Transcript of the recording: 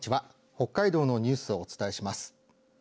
北海道のニュースをお伝えします。